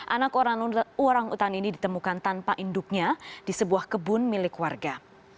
anak orang utan ini ditemukan tanpa induknya di sebuah kebun milik warga